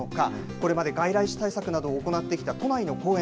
これまで外来種対策などを行ってきた都内の公園